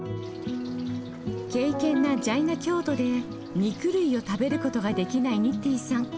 敬けんなジャイナ教徒で肉類を食べることができないニッティンさん。